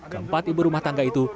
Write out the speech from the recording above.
keempat ibu rumah tangga itu